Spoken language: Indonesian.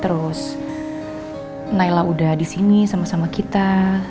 terus nailah udah disini sama sama kita